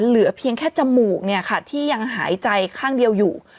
เหลือเพียงแค่จมูกเนี่ยค่ะที่ยังหายใจข้างเดียวอยู่